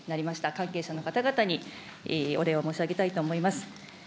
関係者の方々にお礼を申し上げたいと思います。